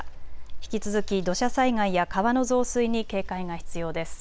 引き続き土砂災害や川の増水に警戒が必要です。